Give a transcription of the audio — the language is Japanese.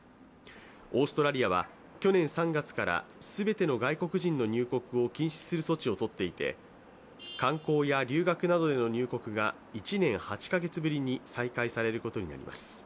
オーストラリアは去年３月から全ての外国人の入国を禁止する措置を取っていて、観光や留学などでの入国が１年８カ月ぶりに再開されることになります。